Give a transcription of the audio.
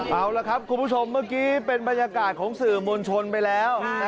เอาละครับคุณผู้ชมเมื่อกี้เป็นบรรยากาศของสื่อมวลชนไปแล้ว